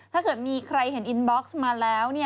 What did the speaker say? ถ้าเกิดมีใครเห็นอินบ็อกซ์มาแล้ว